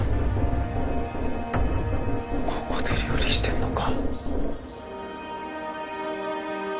ここで料理してんのか